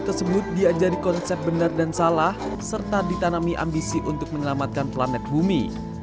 tersebut diajari konsep benar dan salah serta ditanami ambisi untuk menyelamatkan planet bumi